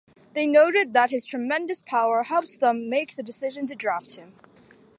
They noted that his tremendous power helped them make the decision to draft him.